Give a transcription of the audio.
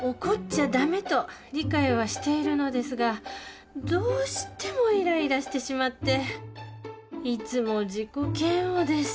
怒っちゃダメと理解はしているのですがどうしてもイライラしてしまっていつも自己嫌悪です